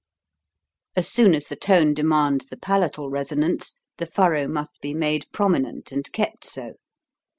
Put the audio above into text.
As soon as the tone demands the palatal resonance, the furrow must be made prominent and kept so.